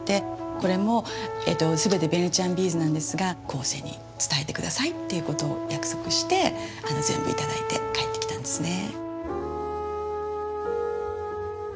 これも全てベネチアンビーズなんですが後世に伝えてくださいっていうことを約束して全部頂いて帰ってきたんですね。